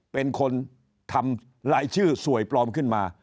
เป็นคนทำลายชื่อสวยปลอมขึ้นมา